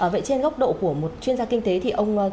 vậy trên góc độ của một chuyên gia kinh tế thì ông